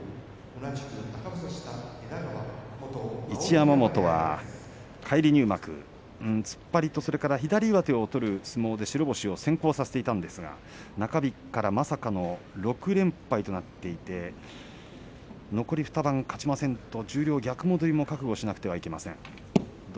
一山本は返り入幕突っ張りと左上手を取る相撲で白星を先行させていましたが中日から、まさかの６連敗となっていて残り２番勝ちませんと十両に逆戻りも覚悟しなければいけません。